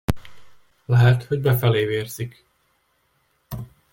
Lehet, hogy befelé vérzik.